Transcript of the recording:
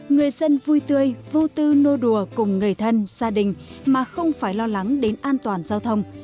người dân vui tươi vô tư nô đùa cùng người thân gia đình mà không phải lo lắng đến an toàn giao thông